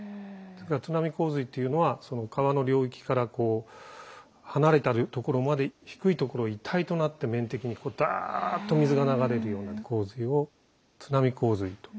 それから津波洪水というのは川の領域からこう離れたところまで低いところ一体となって面的にダーッと水が流れるような洪水を津波洪水と。